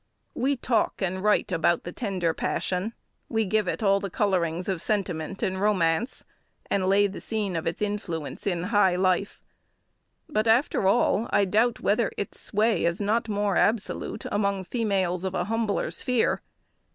We talk and write about the tender passion; we give it all the colourings of sentiment and romance, and lay the scene of its influence in high life; but, after all, I doubt whether its sway is not more absolute among females of a humbler sphere.